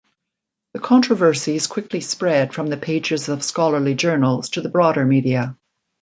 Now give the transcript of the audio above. The controversies quickly spread from the pages of scholarly journals to the broader media.